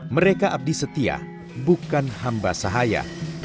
mereka abdi setia bukan hamba sahaya